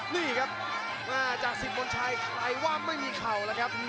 นี่ครับจากสิบมนชัยใครว่าไม่มีเข่าแล้วครับ